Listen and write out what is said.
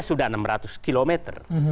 sudah enam ratus kilometer